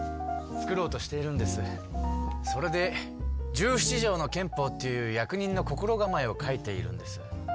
それで「十七条の憲法」っていう役人の心がまえを書いているんです。